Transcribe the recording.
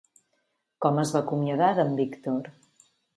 Com es va acomiadar d'en Víctor?